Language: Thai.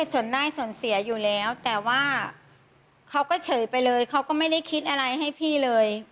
ส่วนได้ส่วนเสียอยู่แล้วแต่ว่าเขาก็เฉยไปเลยเขาก็ไม่ได้คิดอะไรให้พี่เลย